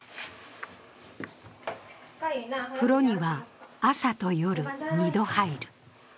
風呂には朝と夜、２度入る。